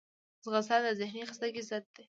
ځغاسته د ذهني خستګي ضد ده